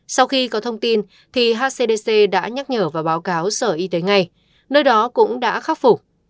sau khi có thông tin thì hcdc đã nhắc nhở và báo cáo sở y tế ngay nơi đó cũng đã khắc phục